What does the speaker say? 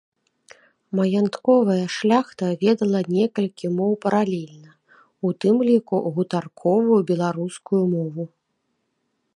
Маянтковая шляхта ведала некалькі моў паралельна, у тым ліку гутарковую беларускую мову.